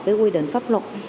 với quy định pháp luật